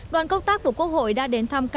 đoàn công tác của quốc hội đã đến thăm các y bác sĩ